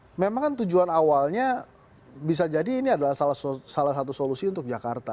ya memang kan tujuan awalnya bisa jadi ini adalah salah satu solusi untuk jakarta